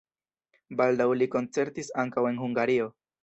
Baldaŭ li koncertis ankaŭ en Hungario.